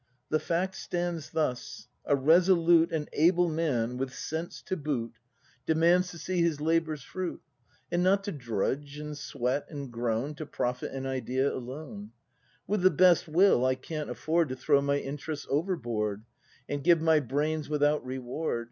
The fact stands thus: a resolute And able man, with sense to boot. ACT IV] BRAND 171 Demands to see his labour's fruit, And not to drudge and sweat and groan To profit an Idea alone. With the best will I can't afford To throw my interests overboard, And give my brains without reward.